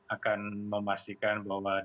akan memastikan bahwa